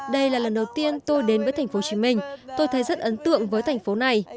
đây là lần đầu tiên tôi đến với thành phố hồ chí minh tôi thấy rất ấn tượng với thành phố này